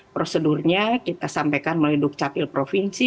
prosedurnya kita sampaikan melalui dukcapil provinsi